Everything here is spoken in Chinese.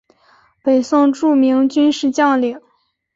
北宋著名军事将领。